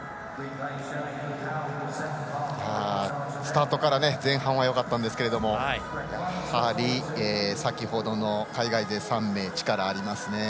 スタートから前半はよかったんですけどもやはり、先ほどの海外勢３名力がありますね。